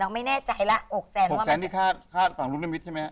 แล้วเราอ่ะ๖๐๐๐ที่ค่าฝังลูกนิมิตรใช่ไหม